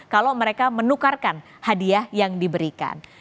kalau mereka menukarkan hadiah yang diberikan